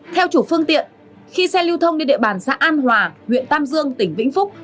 theo chủ phương tiện khi xe lưu thông đi địa bàn xã an hòa huyện tam dương tỉnh vĩnh phúc